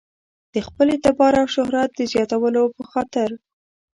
د خپل اعتبار او شهرت د زیاتولو په خاطر.